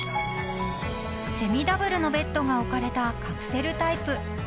［セミダブルのベッドが置かれたカプセルタイプ］